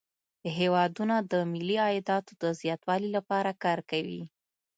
هیوادونه د ملي عایداتو د زیاتوالي لپاره کار کوي